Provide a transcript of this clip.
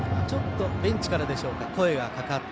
ちょっとベンチからでしょうか